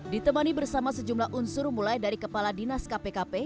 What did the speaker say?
ditemani bersama sejumlah unsur mulai dari kepala dinas kpkp